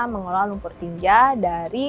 mengelola lumpur tinja dari